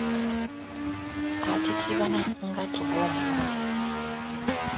Atitibana, ng’atuga omulalu.